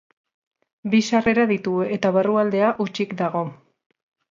Bi sarrera ditu eta barrualdea hutsik dago.